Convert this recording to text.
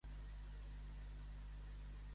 No li ha picat mal poll!